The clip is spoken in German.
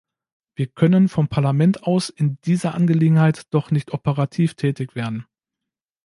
Wir können vom Parlament aus in dieser Angelegenheit doch nicht operativ tätig werden.